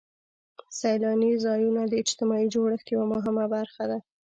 سیلاني ځایونه د اجتماعي جوړښت یوه مهمه برخه ده.